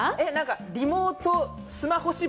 リモート、スマホ芝居。